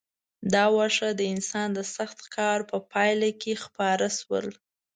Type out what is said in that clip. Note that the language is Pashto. دا واښه د انسان د سخت کار په پایله کې خپاره شول.